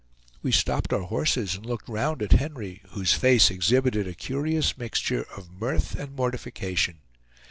We stopped our horses and looked round at Henry, whose face exhibited a curious mixture of mirth and mortification.